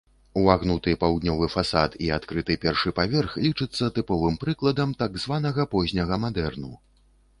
Увагнуты паўднёвы фасад і адкрыты першы паверх лічыцца тыповым прыкладам так званага позняга мадэрну.